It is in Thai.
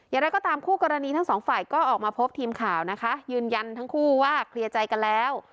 อย่างไรก็ตามคู่กรณีทั้งสองฝ่ายก็ออกมาพบทีมข่าวนะคะยืนยันทั้งคู่ว่าเคลียร์ใจกันแล้ว